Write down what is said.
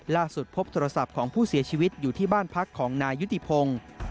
พบโทรศัพท์ของผู้เสียชีวิตอยู่ที่บ้านพักของนายยุติพงศ์